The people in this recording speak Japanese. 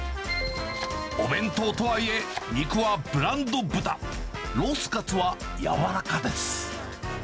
お弁当とはいえ、肉はブランド豚、ロースかつは柔らかです。